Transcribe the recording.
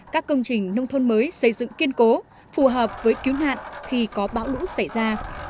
các công trình nông thôn mới xây dựng kiên cố phù hợp với cứu nạn khi có bão lũ xảy ra